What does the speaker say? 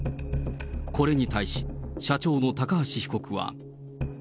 これに対し、社長の高橋被告は。